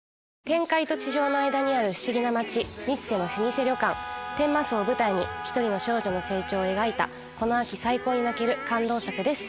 天界と地上の間にある不思議な街三ツ瀬の老舗旅館天間荘を舞台に１人の少女の成長を描いたこの秋最高に泣ける感動作です。